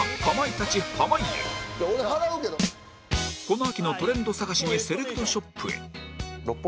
この秋のトレンド探しにセレクトショップへ